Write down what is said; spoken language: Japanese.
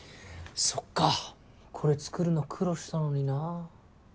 そっかこれ作るの苦労したのにな。